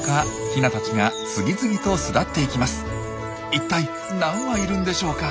一体何羽いるんでしょうか？